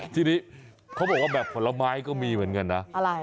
ทีนี้เขาบอกว่าแบบผลไม้ก็มีเหมือนกันนะ